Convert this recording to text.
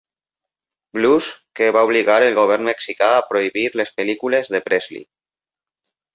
Blues, que va obligar el govern mexicà a prohibir les pel·lícules de Presley.